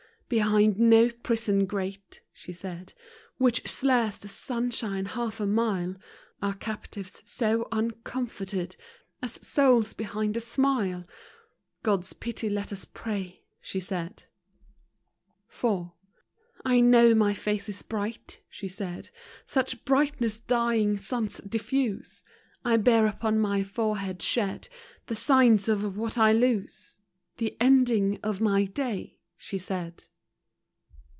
Behind no prison grate, she said, Which slurs the sunshine half a mile, Are captives so uncomforted, As souls behind a smile. God's pity let us pray, she said. THE MASK. 31 IV. I know my face is bright, she said. Such brightness dying suns diffuse ! I bear upon my forehead shed, The sign of what I lose, — The ending of my day, she said.